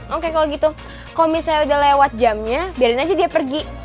oke kalau gitu kalau misalnya udah lewat jamnya biarin aja dia pergi